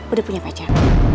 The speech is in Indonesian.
udah punya pacar